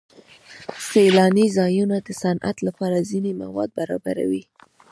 سیلاني ځایونه د صنعت لپاره ځینې مواد برابروي.